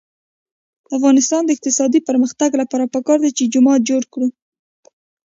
د افغانستان د اقتصادي پرمختګ لپاره پکار ده چې جومات جوړ کړو.